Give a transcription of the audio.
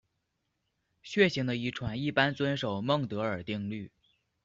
血型的遗传一般遵守孟德尔定律。